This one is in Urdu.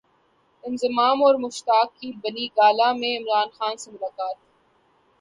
انضمام اور مشتاق کی بنی گالا میں عمران خان سے ملاقات